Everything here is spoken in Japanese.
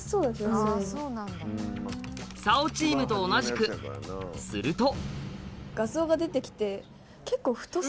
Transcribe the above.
竿チームと同じくすると画像が出て来て。